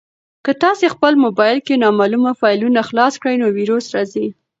که تاسي په خپل موبایل کې نامعلومه فایلونه خلاص کړئ نو ویروس راځي.